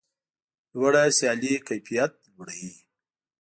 لوړه سیالي کیفیت لوړوي.